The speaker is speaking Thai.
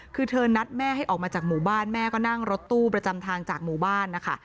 คือเธอนัดแม่ให้ออกมาจากหมู่บ้านแม่ก็นั่งรถตู้ประจำทางจากหมู่บ้านนะคะ